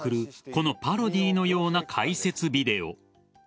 このパロディーのような解説ビデオ。